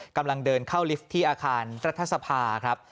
กำลังเดินเข้าลิฟท์ที่อาคารรัฐสภาครับ